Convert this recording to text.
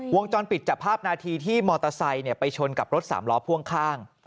วงจรปิดจับภาพนาทีที่มอเตอร์ไซค์ไปชนกับรถสามล้อพ่วงข้าง